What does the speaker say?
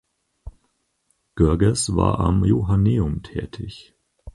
Görges war am Johanneum tätig.